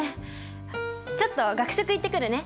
ちょっと学食行ってくるね。